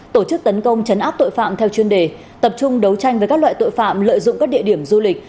tổ chức tấn công chấn áp tội phạm theo chuyên đề tập trung đấu tranh với các loại tội phạm lợi dụng các địa điểm du lịch